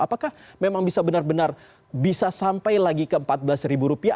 apakah memang bisa benar benar bisa sampai lagi ke empat belas rupiah